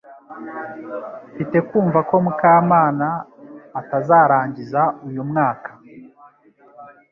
Mfite kumva ko Mukamana atazarangiza uyu mwaka